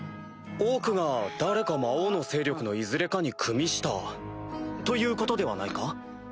オークが誰か魔王の勢力のいずれかにくみしたということではないか？